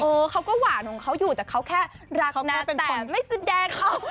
เขาก็หวานของเขาอยู่แต่เขาแค่รักนะแต่ไม่แสดงเขา